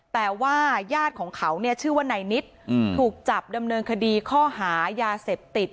แต่ว่าญาติของเขาเนี่ยชื่อว่านายนิดถูกจับดำเนินคดีข้อหายาเสพติด